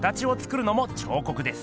かたちを作るのも彫刻です。